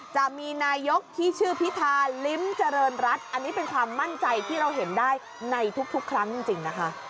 จะมีนายกที่ชื่อพิธาลิ้มเจริญรัฐอันนี้เป็นความมั่นใจที่เราเห็นได้ในทุกครั้งจริงนะคะ